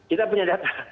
kita punya data